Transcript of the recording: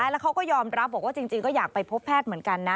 แล้วเขาก็ยอมรับบอกว่าจริงก็อยากไปพบแพทย์เหมือนกันนะ